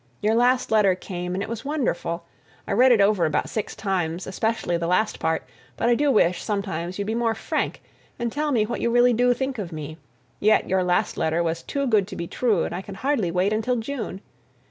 Your last letter came and it was wonderful! I read it over about six times, especially the last part, but I do wish, sometimes, you'd be more frank and tell me what you really do think of me, yet your last letter was too good to be true, and I can hardly wait until June!